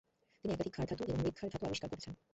তিনি একাধিক ক্ষার ধাতু এবং মৃৎ ক্ষার ধাতু আবিষ্কার করেছেন।